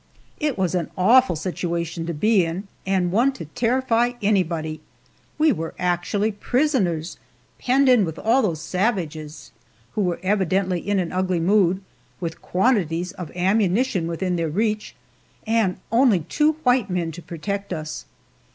It was an awful situation to be in, and one to terrify anybody. We were actually prisoners penned in with all those savages, who were evidently in an ugly mood, with quantities of ammunition within their reach, and only two white men to protect us.